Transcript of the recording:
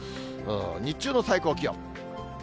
日中の最高気温。